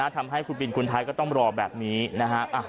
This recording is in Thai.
ทำให้คุณบินคุณไทยก็ต้องรอแบบนี้นะฮะ